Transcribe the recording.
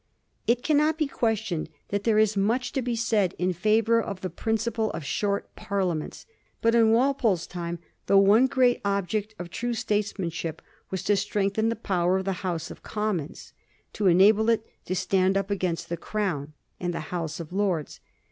It cannot be questioned that there is much to be said in favor of the principle of short Parliaments, but in Walpole's time the one great object of true states manship was to strengthen the power of the House of Commons ; to enable it to stand up against the Crown and the House of Lords.